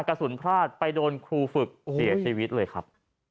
กระสุนพลาดไปโดนครูฝึกเสียชีวิตเลยครับ